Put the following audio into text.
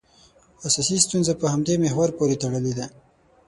اساسي ستونزه په همدې محور پورې تړلې.